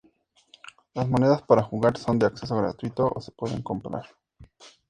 Las monedas para jugar son de acceso gratuito o se pueden comprar.